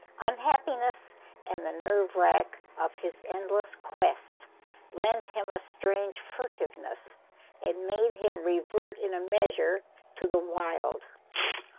Unhappiness and the nerve wrack of his endless quest lent him a strange furtiveness, and made him revert in a measure to the wild.